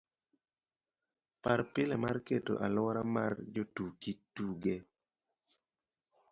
par pile mar keto aluora mar jotuki tuge